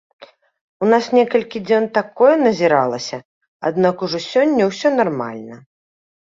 У нас некалькі дзён такое назіралася, аднак ужо сёння ўсё нармальна.